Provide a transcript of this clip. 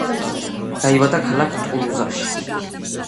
დაიბადა ქალაქ ტულუზაში.